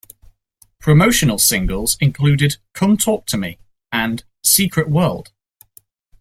Promotional singles included "Come Talk to Me" and "Secret World.